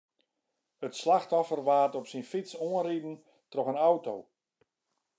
It slachtoffer waard op syn fyts oanriden troch in auto.